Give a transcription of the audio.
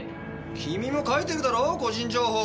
君も書いてるだろう個人情報！